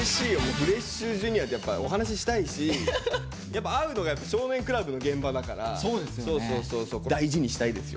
フレッシュＪｒ．とやっぱお話ししたいしやっぱ会うのが「少年倶楽部」の現場だから大事にしたいですよ